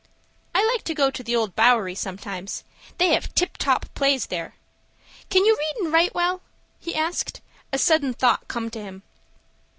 "I like to go to the Old Bowery sometimes. They have tip top plays there. Can you read and write well?" he asked, as a sudden thought came to him.